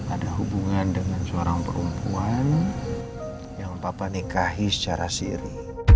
ada hubungan dengan seorang perempuan yang papa nikahi secara siri